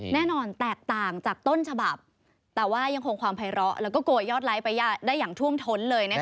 แน่นอนแตกต่างจากต้นฉบับแต่ว่ายังคงความภัยร้อแล้วก็โกยยอดไลค์ไปได้อย่างท่วมท้นเลยนะคะ